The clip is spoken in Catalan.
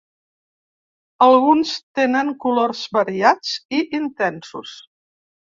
Alguns tenen colors variats i intensos.